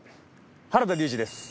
原田龍二です。